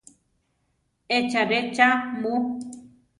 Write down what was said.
¿Echáre cha mu?